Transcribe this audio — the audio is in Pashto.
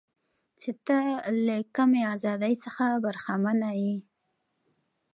چې ته له کمې ازادۍ څخه برخمنه یې.